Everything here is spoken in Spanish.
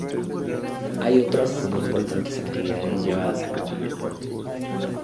Hay otras importantes actividades llevadas a cabo en el puerto.